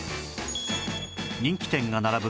人気店が並ぶ